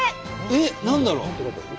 えっ何だろう？